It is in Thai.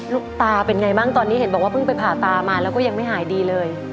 ตาเป็นไงบ้างตอนนี้เห็นบอกว่าเพิ่งไปผ่าตามาแล้วก็ยังไม่หายดีเลย